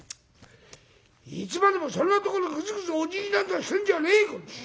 いつまでもそんなところグズグズおじぎなんざしてんじゃねえこん畜生！